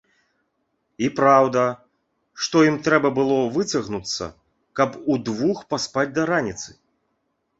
І праўда, што ім трэба было выцягнуцца, каб удвух паспаць да раніцы.